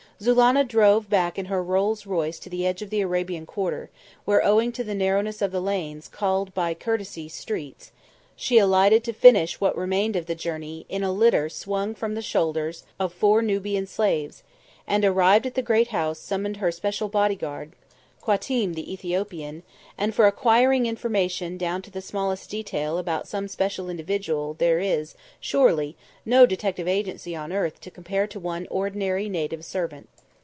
Zulannah drove back in her Rolls Royce to the edge of the Arabian quarter, where, owing to the narrowness of the lanes called by courtesy streets, she alighted to finish what remained of the journey in a litter swung from the shoulders of four Nubian slaves, and, arrived at the great house, summoned her special bodyguard, Qatim the Ethiopian; and for acquiring information down to the smallest detail about some special individual there is, surely, no detective agency on earth to compare to one ordinary, native servant.